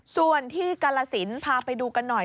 ส่วนที่กาลสินพาไปดูกันหน่อย